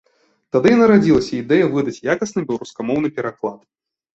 Тады і нарадзілася ідэя выдаць якасны беларускамоўны пераклад.